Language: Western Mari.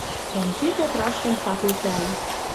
Дӓ Микитӓ Праском цат элтӓлӓ